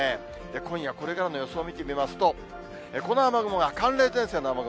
今夜、これからの予想を見てみますと、この雨雲が寒冷前線の雨雲。